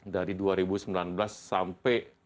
dari dua ribu sembilan belas sampai